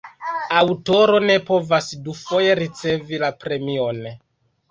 Aŭtoro ne povas dufoje ricevi la premion.